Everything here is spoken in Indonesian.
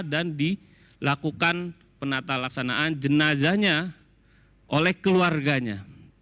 dan dilakukan penata laksanaan jenazahnya oleh keluarganya